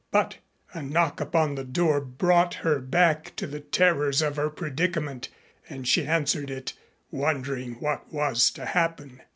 But a knock upon the door brought her back to the terrors of her predicament and she answered it, wondering what was to happen.